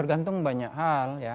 tergantung banyak hal ya